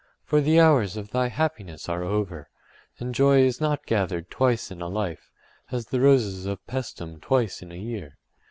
For the hours of thy happiness are over and joy is not gathered twice in a life, as the roses of Paestum twice in a year.